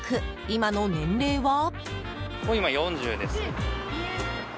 今の年齢は？